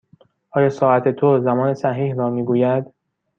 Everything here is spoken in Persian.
آیا ساعت تو زمان صحیح را می گوید؟